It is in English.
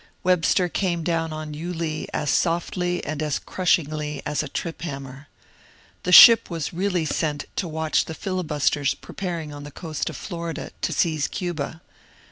Webster came down on Yulee as softly and as crush ingly as a trip hammer. The ship was really sent to watch the filibusters preparing on the coast of Florida to seize Cuba.